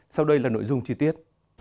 sau đây là nội dung chi tiết